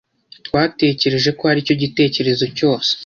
Twatekereje ko aricyo gitekerezo cyose.